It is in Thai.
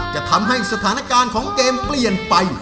จะทำให้สถานการณ์ของเกมเปลี่ยนไป